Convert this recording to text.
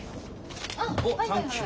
あっはいはいはい。